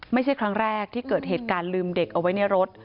ไม่ใช่ครั้งแรกที่เกิดเหตุการณ์ลืมเด็กเอาไว้ในรถ